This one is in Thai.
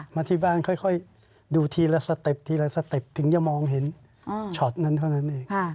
มาที่บ้านค่อยดูทีละสเต็ปทีละสเต็ปถึงจะมองเห็นช็อตนั้นเท่านั้นเอง